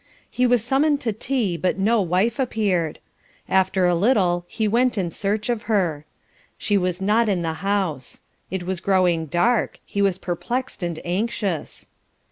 He was summoned to tea, but no wife appeared. After a little he went in search of her. She was not in the house. It was growing dark. He was perplexed and anxious.